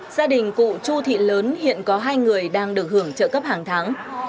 gia đình cụ chu thị lớn hiện có hai người đang được hưởng trợ cấp hàng tháng